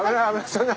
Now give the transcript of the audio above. そんな。